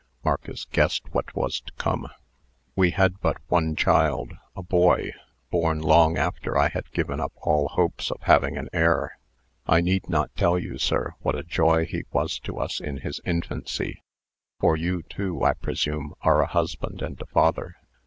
Marcus guessed what was to come. "We had but one child a boy born long after I had given up all hopes of having an heir. I need not tell you, sir, what a joy he was to us in his infancy; for you, too, I presume, are a husband and a father."